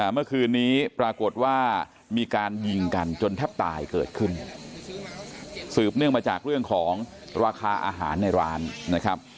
เมื่อคืนนี้ปรากฏว่ามีการยิงกันจนแทบตายเกิดขึ้นสืบเนื่องมาจากเรื่องของราคาอาหารในร้านนะครับ